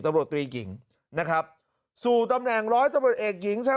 ตำรวจตรีหญิงนะครับสู่ตำแหน่งร้อยตำรวจเอกหญิง